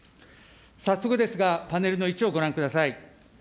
早速ですが、パネルの１をご覧ください。